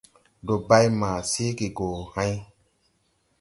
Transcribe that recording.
Ndɔ bay ma seege gɔ hãy.